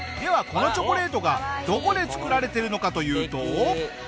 このチョコレートがどこで作られてるのかというと。